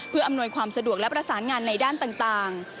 เพื่ออำนวยความสะดวกและประสานงานในด้านต่าง